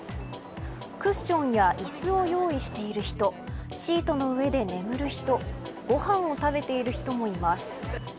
クッションや椅子を用意している人シートの上で眠る人ご飯を食べている人もいます。